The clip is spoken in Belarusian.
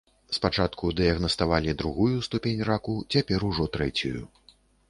Спачатку дыягнаставалі другую ступень раку, цяпер ужо трэцюю.